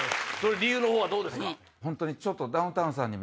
理由のほうはどうですか？